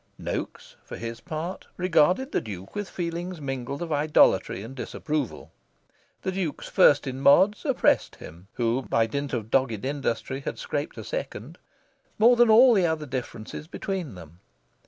Noaks, for his part, regarded the Duke with feelings mingled of idolatry and disapproval. The Duke's First in Mods oppressed him (who, by dint of dogged industry, had scraped a Second) more than all the other differences between them.